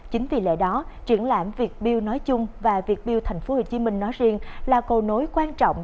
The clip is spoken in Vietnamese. chính vì lẽ đó triển lãm việt build nói chung và việt build tp hcm nói riêng là cầu nối quan trọng